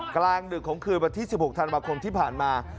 กลางดึกของคืนวันที่๑๖ธันวาคมที่ผ่านมา